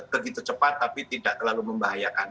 begitu cepat tapi tidak terlalu membahayakan